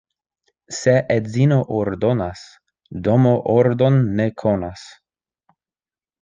Se edzino ordonas, domo ordon ne konas.